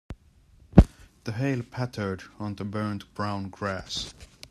The hail pattered on the burnt brown grass.